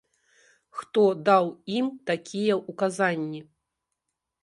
Хто даў ім такія ўказанні?